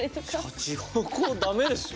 シャチホコダメですよね？